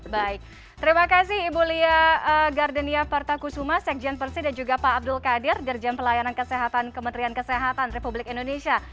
baik terima kasih ibu lia gardenia pertakusuma sekjen persi dan juga pak abdul qadir dirjen pelayanan kesehatan kementerian kesehatan republik indonesia